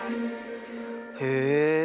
へえ。